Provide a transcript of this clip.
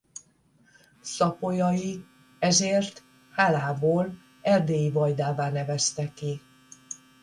Szapolyai ezért hálából erdélyi vajdává nevezte ki.